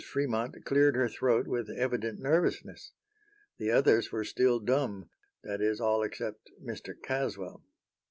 Fremont cleared her throat with evident nervousness. The others were still dumb that is, all except Mr. Caswell.